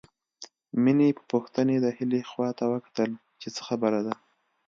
مينې په پوښتنې د هيلې خواته وکتل چې څه خبره ده